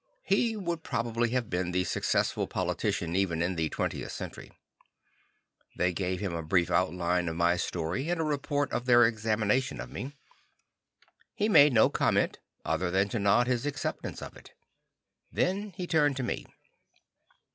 He would probably have been the successful politician even in the 20th Century. They gave him a brief outline of my story and a report of their examination of me. He made no comment other than to nod his acceptance of it. Then he turned to me.